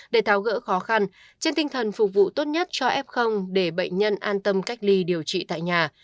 để tháo gỡ khó khăn trên tinh thần phục vụ tốt nhất cho f để bệnh nhân an tâm cách ly điều trị tại nhà